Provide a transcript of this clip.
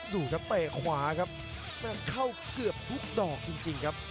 ดูจากเต้นขวาครับน่าเข้าเกือบทุกดอกจริงครับ